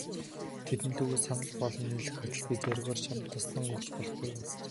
Тэдэн лүгээ санаа бодол нийлэх атал, би зоригоор чамд таслан өгч болох буюу.